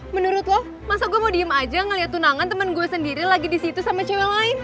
menurut lo masa gue mau diem aja ngeliat tunangan temen gue sendiri lagi di situ sama cewek lain